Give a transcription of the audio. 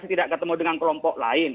tidak ketemu dengan kelompok lain